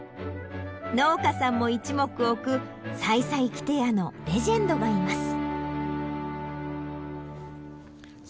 農家さんも一目置くさいさいきて屋のレジェンドがいます。